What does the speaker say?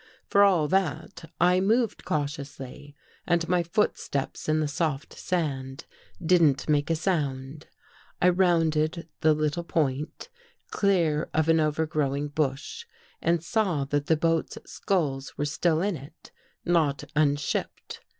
For all that I moved cautiously and my footsteps in the soft sand didn't make a sound. I rounded the little point, clear of an over growing bush and saw the boat's sculls were still in it, not unshipped.